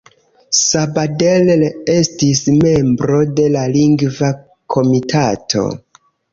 Sabadell estis membro de la Lingva Komitato.